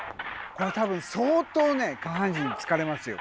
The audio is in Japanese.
これ多分相当ね下半身疲れますよ